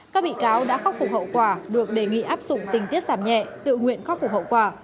các bị cáo đã khắc phục hậu quả được đề nghị áp dụng tình tiết giảm nhẹ tự nguyện khắc phục hậu quả